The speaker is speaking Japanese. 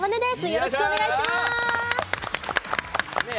よろしくお願いします。